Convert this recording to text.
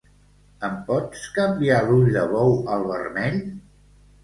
Em pots canviar l'ull de bou al vermell?